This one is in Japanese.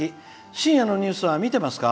深夜のニュースは見てますか。